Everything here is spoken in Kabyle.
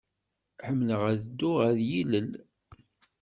Ḥemmleɣ ad dduɣ ɣer yilel.